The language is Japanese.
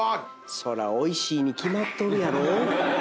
そらおいしいに決まっとるやろ。